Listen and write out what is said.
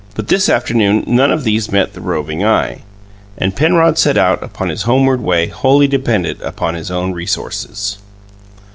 But this afternoon none of these met the roving eye, and Penrod set out upon his homeward way wholly dependent upon his own resources.